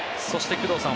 、工藤さん